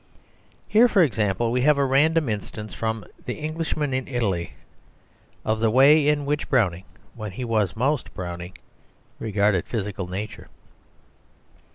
Here, for example, we have a random instance from "The Englishman in Italy" of the way in which Browning, when he was most Browning, regarded physical nature.